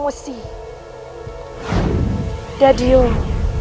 di tempat yang tidak ada daging